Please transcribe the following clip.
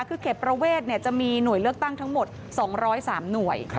คือเขตประเวทจะมีหน่วยเลือกตั้งทั้งหมด๒๐๓หน่วย